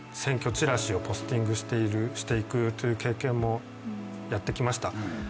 チラシをポスティングしていくという経験もやってきました。